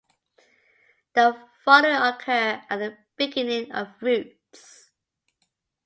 The following occur at the beginnings of roots.